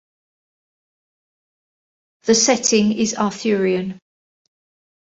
The setting is Arthurian.